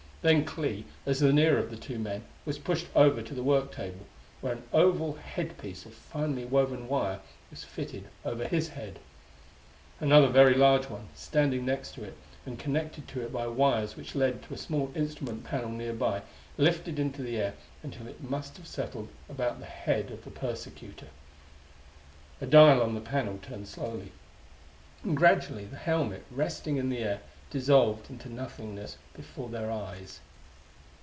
Then Clee, as the nearer of the two men, was pushed over to the work table, where an oval head piece of finely woven wire was fitted over his head. Another very large one, standing next to it, and connected to it by wires which led to a small instrument panel nearby, lifted into the air until it must have settled about the head of their persecutor. A dial on the panel turned slowly. And gradually the helmet resting in the air dissolved into nothingness before their eyes.